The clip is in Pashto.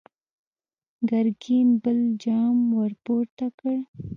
ګرګين بل جام ور پورته کړ!